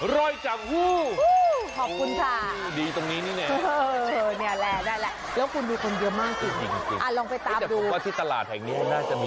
ร้อยจังฮู้ดีตรงนี้นี่แหละแล้วคุณมีคนเดียวมากสิ